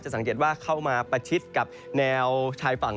สังเกตว่าเข้ามาประชิดกับแนวชายฝั่ง